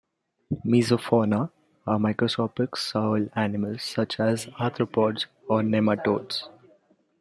"Mesofauna" are macroscopic soil animals such as arthropods or nematodes.